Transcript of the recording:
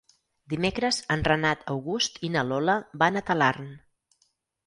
Dimecres en Renat August i na Lola van a Talarn.